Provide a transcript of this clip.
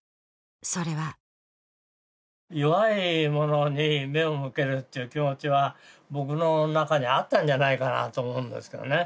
それは弱い者に目を向けるっていう気持ちは僕のなかにあったんじゃないかなと思うんですけどね